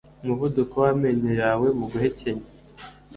Umuvuduko w'amenyo yawe mu guhekenya